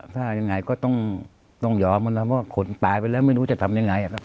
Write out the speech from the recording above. ถ้ายังไงก็ต้องต้องยอมกันแล้วเพราะว่าคนตายไปแล้วไม่รู้จะทำยังไงอ่ะ